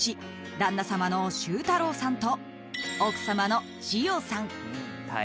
旦那さまの脩太郎さんと奥さまの智代さん］